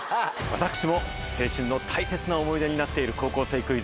私も青春の大切な思い出になっている『高校生クイズ』。